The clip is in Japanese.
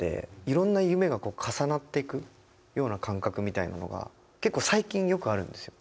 いろんな夢が重なっていくような感覚みたいなのが結構最近よくあるんですよ。